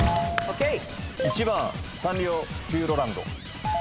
１番サンリオピューロランド。